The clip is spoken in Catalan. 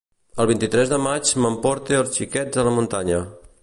El vint-i-tres de maig m'emporte els xiquets a la muntanya.